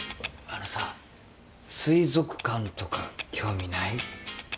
あのさ水族館とか興味ない？